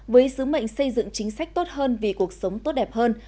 với sứ mệnh xây dựng chính sách tốt hơn vì cuộc sống tốt đẹp hơn